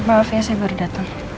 maaf ya saya baru datang